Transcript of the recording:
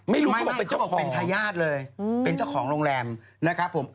ไม่เขาบอกเป็นทายาทเลยเป็นเจ้าของโรงแรมนะครับผม